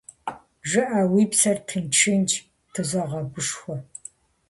- ЖыӀэ, уи псэр тыншынщ,- тызогъэгушхуэ.